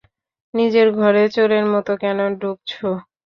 নিজের ঘরে চোরের মতো কেন ঢুকছো?